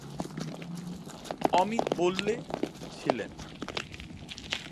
অমিত বললে, ছিলেন।